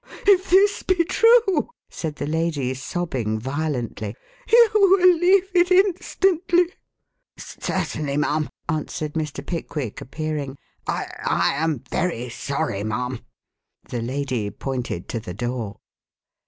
"If this be true," said the lady sobbing violently, "you will leave it instantly." "Certainly, ma'am," answered Mr. Pickwick appearing, "I I am very sorry, ma'am." The lady pointed to the door.